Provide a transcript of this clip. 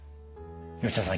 吉野さん